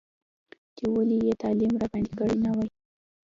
چې ولې یې تعلیم راباندې کړی نه دی.